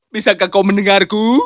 bisakah kau mendengarku